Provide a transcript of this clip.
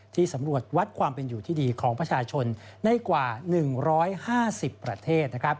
สำรวจวัดความเป็นอยู่ที่ดีของประชาชนในกว่า๑๕๐ประเทศ